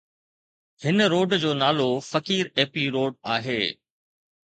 هن روڊ جو نالو فقير ايپي روڊ آهي